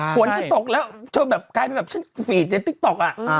ฝนจะตกแล้วเธอแบบกลายเป็นแบบฉันฝีดในติ๊กต๊อกอ่ะ